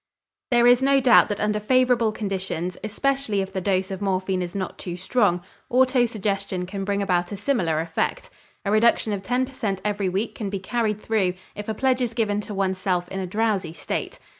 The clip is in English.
There, is no doubt that under favorable conditions, especially if the dose of morphine is not too strong, autosuggestion can bring about a similar effect. A reduction of ten per cent every week can be carried through, if a pledge is given to one's self in a drowsy state.